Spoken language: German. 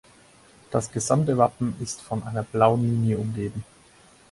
Das gesamte Wappen ist von einer blauen Linie umgeben.